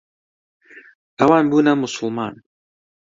ئەوان بوونە موسڵمان.